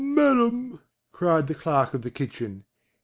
Madam," cried the clerk of the kitchen.